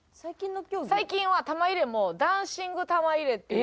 最近は玉入れもダンシング玉入れっていう。